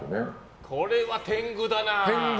これは天狗だなあ。